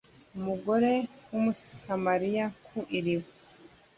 Umugore w Umusamariya ku iriba